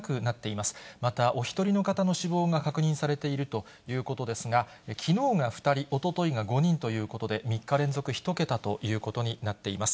また、お１人の方の死亡が確認されているということですが、きのうが２人、おとといが５人ということで、３日連続１桁ということになっています。